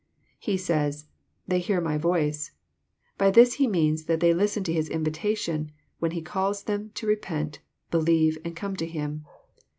He says, " They hear my voice." By this He means that they listen to His invitation, when He calls them to repent, believe, and come to Him.